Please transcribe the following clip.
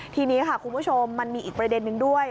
ทีนี้ค่ะคุณผู้ชมมันมีอีกประเด็นนึงด้วย